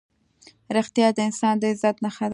رښتیا د انسان د عزت نښه ده.